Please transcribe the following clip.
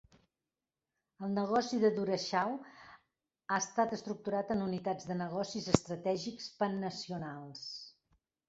El negoci de Darashaw ha estat estructurat en unitats de negocis estratègics pannacionals.